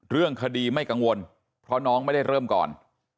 เรื่องคดีไม่กังวลเพราะน้องไม่ได้เริ่มก่อน